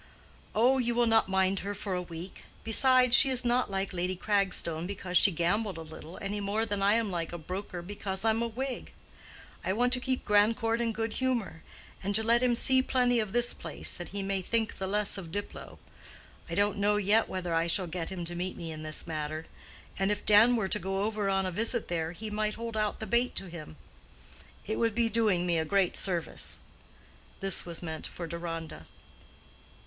"Oh, you will not mind her for a week. Besides, she is not like Lady Cragstone because she gambled a little, any more than I am like a broker because I'm a Whig. I want to keep Grandcourt in good humor, and to let him see plenty of this place, that he may think the less of Diplow. I don't know yet whether I shall get him to meet me in this matter. And if Dan were to go over on a visit there, he might hold out the bait to him. It would be doing me a great service." This was meant for Deronda.